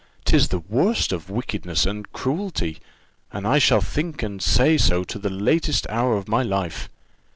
'tis the worst of wickedness and cruelty and I shall think and say so to the latest hour of my life."